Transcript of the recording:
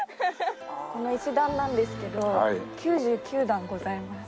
この石段なんですけど９９段ございます。